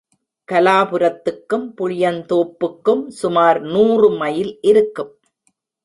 கலாபுரத்துக்கும், புளியந்தோப்புக்கும் சுமார் நூறு மைல் இருக்கும்.